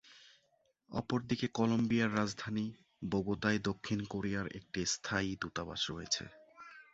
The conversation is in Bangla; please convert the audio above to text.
অপরদিকে, কলম্বিয়ার রাজধানী, বোগোতায় দক্ষিণ কোরিয়ার একটি স্থায়ী দূতাবাস রয়েছে।